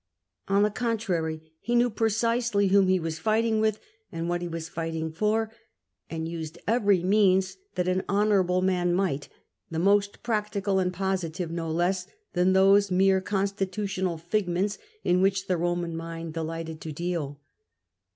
On the contrary, he knew precisely whom he was fighting with, and what he was fighting for, and used ev^ery means that an honourable man might, the most practical and positive no less than those mere constitutional figments in which the Eoman mind delighted to deal.